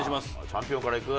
チャンピオンから行く？